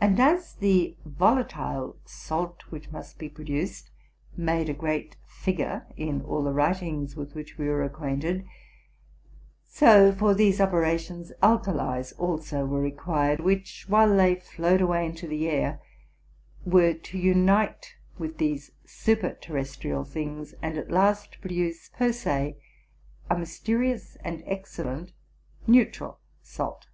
And as the volatile salt which must be produced made a great figure in all the writings with which we were acquainted ; so, 'for these operations, alkalies also were re quired, which, while they flowed away into the air, were to unite with these superterrestrial things, and at last produce, per se, a mysterious and excellent neutral salt.